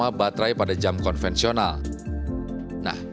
dan juga menggunakan koneksi yang lebih mudah